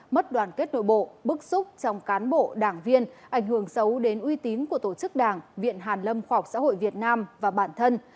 mất đoàn kết nội bộ bức xúc trong cán bộ đảng viên ảnh hưởng xấu đến uy tín của tổ chức đảng viện hàn lâm khoa học xã hội việt nam và bản thân